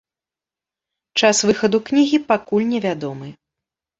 Час выхаду кнігі пакуль невядомы.